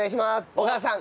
小川さん